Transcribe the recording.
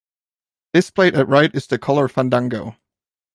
Displayed at right is the color fandango.